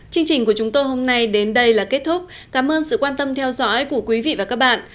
chương trình của chúng tôi hôm nay đến đây là kết thúc cảm ơn sự quan tâm theo dõi của quý vị và các bạn